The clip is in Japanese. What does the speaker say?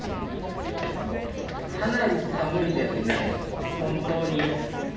かなり寒いですね、本当に。